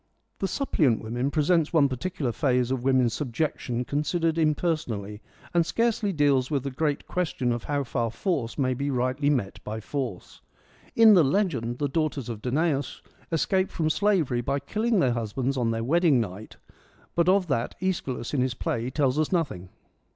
The Suppliant Women presents one particular phase of women's subjection considered imperson ally, and scarcely deals with the great question of how far force may be rightly met by force. In the legend the daughters of Danaus escape from slavery by killing their husbands on their wedding night, but of that iEschylus in this play tells us nothing.